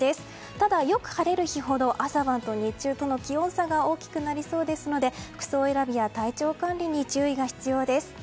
ただ、よく晴れる日ほど朝晩と日中との気温差が大きくなりそうですので服装選びや体調管理に注意が必要です。